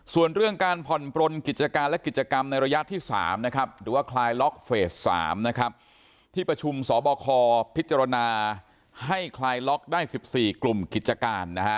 ส่วนเรื่องการผ่อนปลนกิจการและกิจกรรมในระยะที่๓นะครับหรือว่าคลายล็อกเฟส๓นะครับที่ประชุมสบคพิจารณาให้คลายล็อกได้๑๔กลุ่มกิจการนะฮะ